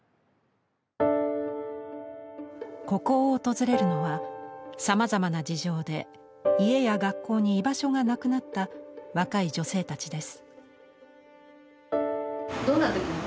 ここを訪れるのはさまざまな事情で家や学校に居場所がなくなった若い女性たちです。